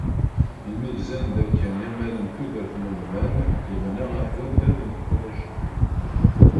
Imi gzan dakken imal n tudert n umdan yebna ɣef waddad n tkulugit.